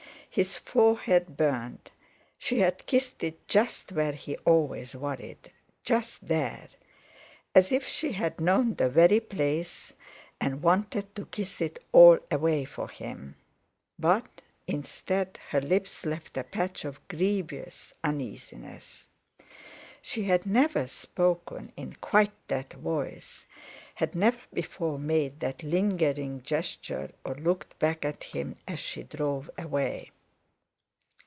His forehead burned; she had kissed it just where he always worried; just there—as if she had known the very place and wanted to kiss it all away for him. But, instead, her lips left a patch of grievous uneasiness. She had never spoken in quite that voice, had never before made that lingering gesture or looked back at him as she drove away.